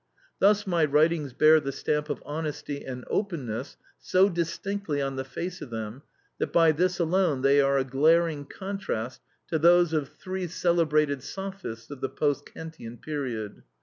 Thus my writings bear the stamp of honesty and openness so distinctly on the face of them, that by this alone they are a glaring contrast to those of three celebrated sophists of the post Kantian period.